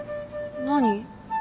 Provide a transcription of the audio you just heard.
何？